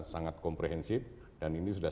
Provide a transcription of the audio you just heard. sangat komprehensif dan ini sudah